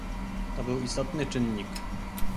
Był to istotny czynnik